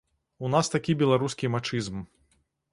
У нас такі беларускі мачызм.